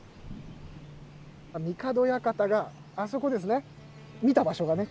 三門館があそこですね。